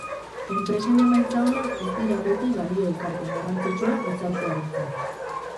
Enpresen emaitza onak ez dira beti balio-ekarpen garrantzitsua gizartearentzat